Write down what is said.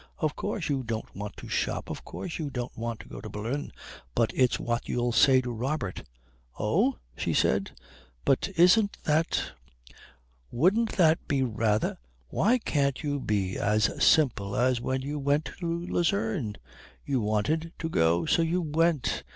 Of course you don't want to shop. Of course you don't want to go to Berlin. But it's what you'll say to Robert." "Oh?" she said. "But isn't that wouldn't that be rather " "Why can't you be as simple as when you went to Lucerne? You wanted to go, so you went.